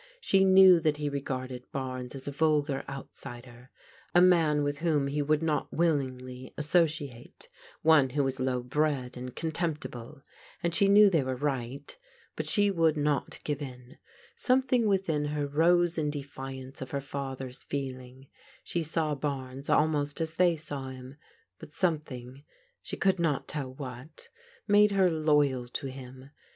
She knew that he regarded Barnes as a vulgar outsider, a man with whom he would not willingly associate, one who was low bred and contemptible. And she knew they were right ; but she would not give in. Something within her rose in defiance of her father's feeling. She saw Barnes almost as they saw him, but something, she could not tell what, made her loyal to him.